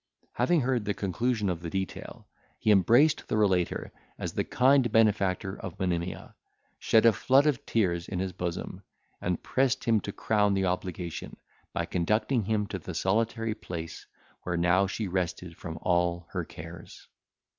Having heard the conclusion of the detail, he embraced the relater, as the kind benefactor of Monimia, shed a flood of tears in his bosom, and pressed him to crown the obligation, by conducting him to the solitary place where now she rested from all her cares.